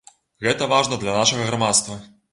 Гэта важна для нашага грамадства.